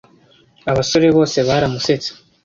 Abasore bose baramusetse.